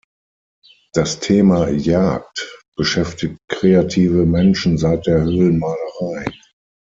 Das Thema Jagd beschäftigt kreative Menschen seit der Höhlenmalerei.